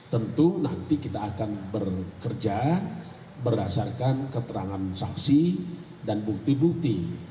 tentu nanti kita akan bekerja berdasarkan keterangan saksi dan bukti bukti